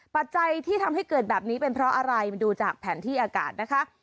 ปัจจัยที่ทำให้เกิดแบบนี้เป็นเพราะอะไรมาดูจากแผนที่อากาศนะคะ